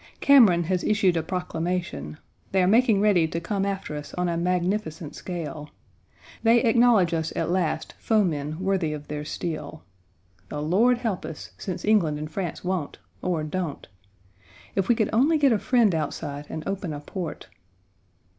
Cameron has issued a proclamation. They are making ready to come after us on a magnificent scale. They acknowledge us at last foemen worthy of their steel. The Lord help us, since England and France won't, or don't. If we could only get a friend outside and open a port.